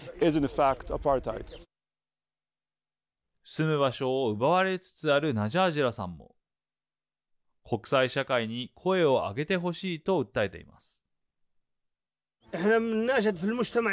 住む場所を奪われつつあるナジャージラさんも国際社会に声を上げてほしいと訴えています。